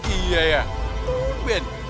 iya ya tunggul